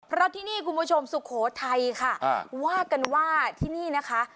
เพราะที่นี่คุณผู้ชมสุโขทัยค่ะว่ากันว่าที่นี่นะคะ